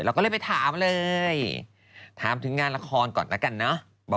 ก็เลยไปถามเลยถามถึงงานละครก่อนแล้วกันเนอะ